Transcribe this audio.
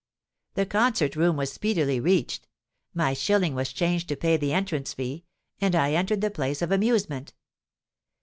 "The concert room was speedily reached: my shilling was changed to pay the entrance fee; and I entered the place of amusement.